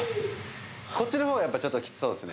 こっちのほうがやっぱちょっとキツそうですね